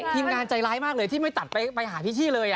ทีมงานใจร้ายมากเลยที่ไม่ตัดไปหาพี่ชี่เลย